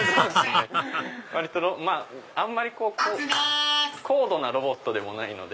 あんまり高度なロボットでもないので。